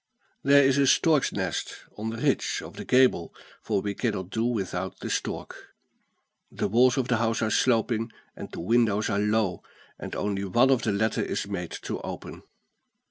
There is a stork's nest on the ridge of the gable, for we cannot do without the stork. The walls of the house are sloping, and the windows are low, and only one of the latter is made to open.